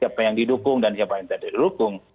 siapa yang didukung dan siapa yang tidak didukung